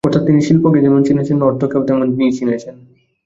অর্থাৎ তিনি শিল্পকে যেমন চিনেছেন, অর্থকেও তেমনি চিনেছেন।